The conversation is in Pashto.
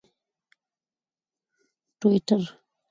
ټویټر